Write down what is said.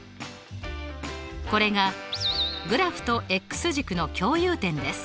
これがグラフと軸の共有点です。